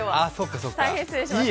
大変失礼しました。